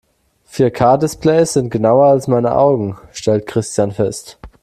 Vier-K-Displays sind genauer als meine Augen, stellt Christian fest.